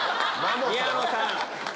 宮野さん。